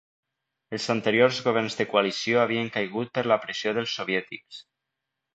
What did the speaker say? Els anteriors governs de coalició havien caigut per la pressió dels soviètics.